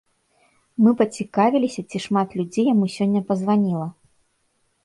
Мы пацікавіліся, ці шмат людзей яму сёння пазваніла.